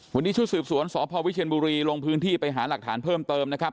วันนี้ชุดสืบสวนสพวิเชียนบุรีลงพื้นที่ไปหาหลักฐานเพิ่มเติมนะครับ